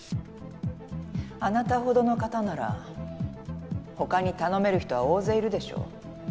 あなたほどの方なら他に頼める人は大勢いるでしょう。